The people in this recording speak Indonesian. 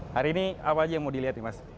hari ini apa aja yang mau dilihat nih mas